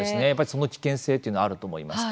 その危険性というのはあると思います。